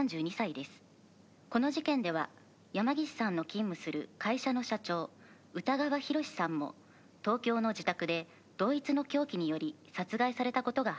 「この事件では山岸さんの勤務する会社の社長宇田川宏さんも東京の自宅で同一の凶器により殺害された事が判明しています」